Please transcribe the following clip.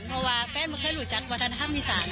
เพราะว่าแฟนมันเคยหลุดจากวัฒนธรรมอีสานค่ะ